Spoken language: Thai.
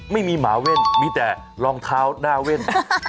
ไม่มีหมาเว่นมีแต่รองเท้าหน้าเว่น